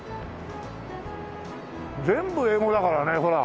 全部英語だからねほら。